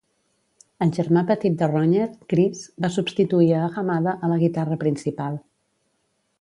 El germà petit de Rogner, Chris, va substituir a Hamada a la guitarra principal.